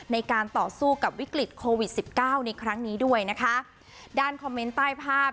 ในการต่อสู้กับวิกฤตโควิดสิบเก้าในครั้งนี้ด้วยนะคะด้านคอมเมนต์ใต้ภาพ